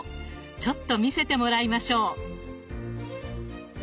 ちょっと見せてもらいましょう。